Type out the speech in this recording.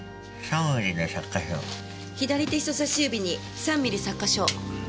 左手人差し指に３ミリ擦過傷。